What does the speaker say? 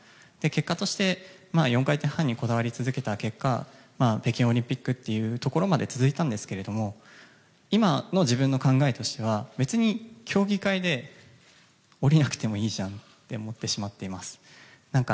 結果として４回転半にこだわり続けた結果北京オリンピックというところまで続いたんですけど今の自分の考えとしては別に競技会で降りなくてもいいじゃんと思ってしまっています。